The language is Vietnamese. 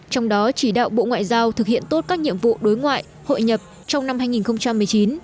trong đó chỉ đạo bộ ngoại giao thực hiện tốt các nhiệm vụ đối ngoại hội nhập trong năm hai nghìn một mươi chín